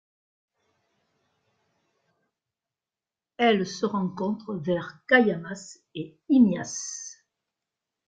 Elle se rencontre vers Cayamas et Imías.